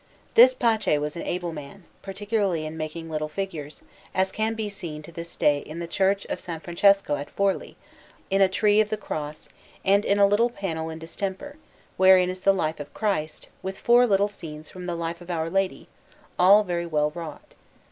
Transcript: This Pace was an able man, particularly in making little figures, as can be seen to this day in the Church of S. Francesco at Forlì, in a Tree of the Cross, and in a little panel in distemper, wherein is the life of Christ, with four little scenes from the life of Our Lady, all very well wrought.